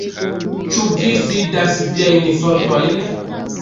Ĉu vi fidas viajn fortojn?